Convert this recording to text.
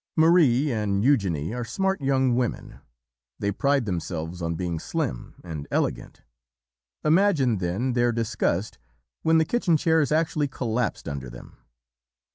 "Marie and Eugenie are smart young women: they pride themselves on being slim and elegant. Imagine then their disgust when the kitchen chairs actually collapsed under them.